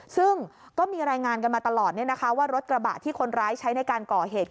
ซึ่งก็มีรายงานกันมาตลอดว่ารถกระบะที่คนร้ายใช้ในการก่อเหตุ